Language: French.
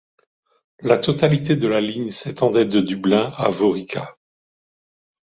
La totalité de la ligne s'étendait de Dublin à Waurika.